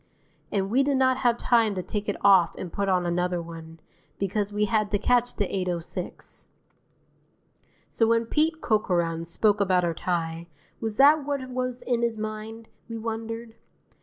And we did not have time to take it off and put on another one, because we had to catch the 8:06. So when Pete Corcoran spoke about our tie, was that what was in his mind, we wondered?